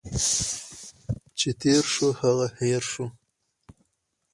چي تیر شو، هغه هٻر شو.